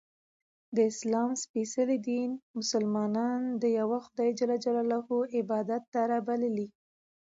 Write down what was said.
د اسلام څپېڅلي دین ملسلمانان د یوه خدایﷻ عبادت ته رابللي